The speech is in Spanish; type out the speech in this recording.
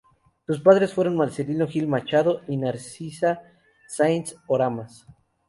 Sus padres fueron Marcelino Gil Machado y Narcisa Sáenz Oramas.